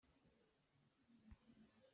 Nulepa nawlngaih cu a ṭha.